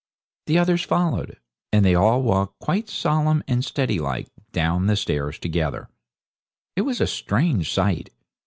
The others followed, and they all walked quite solemn and steady like down the stairs together. It was a strange sight.